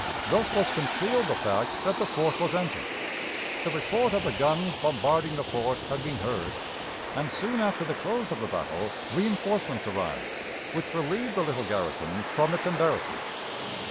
Thus was concealed the fact that the fort was empty. The report of the guns bombarding the fort had been heard, and soon after the close of the battle reinforcements arrived, which relieved the little garrison from its embarrassment.